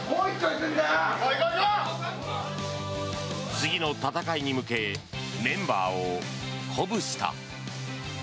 次の戦いに向けメンバーを鼓舞した。